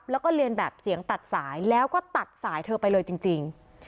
แล้วก็เรียนแบบเสียงตัดสายแล้วก็ตัดสายเธอไปเลยจริง